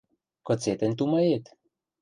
Кыце тӹнь тумает?